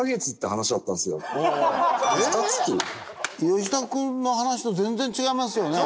吉田君の話と全然違いますよね。